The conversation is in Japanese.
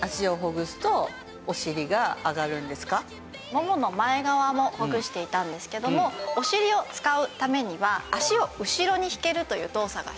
ももの前側もほぐしていたんですけどもお尻を使うためには脚を後ろに引けるという動作が必要になります。